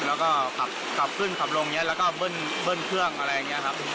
แล้วก็ขับขึ้นขับลงอย่างนี้แล้วก็เบิ้ลเครื่องอะไรอย่างนี้ครับ